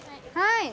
はい。